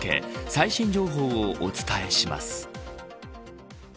最新情報をお伝えします。